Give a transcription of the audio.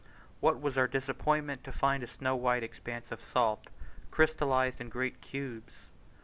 What was our disappointment to find a snow white expanse of salt, crystallized in great cubes!